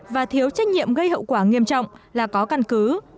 và thiếu trách nhiệm gây hậu quả nghiêm trọng là có căn cứ